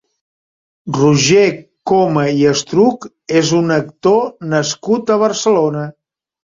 Roger Coma i Estruch és un actor nascut a Barcelona.